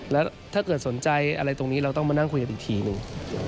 แล้วถ้าเกิดสนใจอะไรตรงนี้เราต้องมานั่งคุยกันอีกทีหนึ่ง